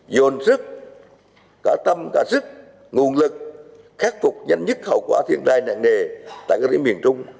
dồn sức cả tâm cả sức nguồn lực khắc phục nhanh nhất hậu quả thiên tai nặng nề tại các điểm miền trung